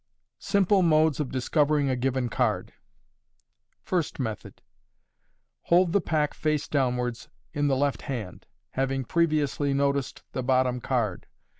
Simple Modes of Discovering a given Card. First Method. — Hold the pack face downwards in the left hand, having previously noticed the bottom card.